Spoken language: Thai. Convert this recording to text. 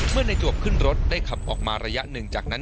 เมื่อในจวบขึ้นรถได้ขับออกมาระยะหนึ่งจากนั้น